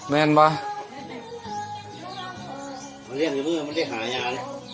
แม่งวะมันจะหางาน